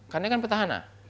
karena kan petahana